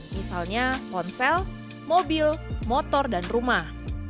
misalnya ponsel mobil motor dan rumah